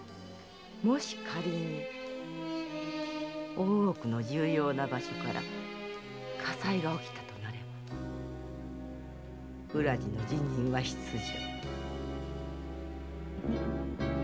もし仮に大奥の重要な場所から火災がおきたとなれば浦路の辞任は必定。